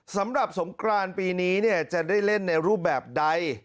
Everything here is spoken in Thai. สำหรับสงกรานปีนี้จะได้เล่นในรูปแบบใด